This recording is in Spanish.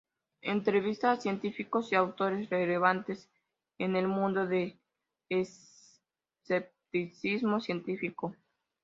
Entrevista a científicos y autores relevantes en el mundo del escepticismo científico.